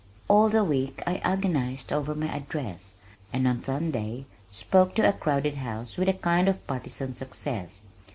All the week I agonized over my address, and on Sunday spoke to a crowded house with a kind of partisan success.